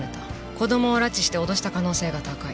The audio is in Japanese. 子供を拉致して脅した可能性が高い。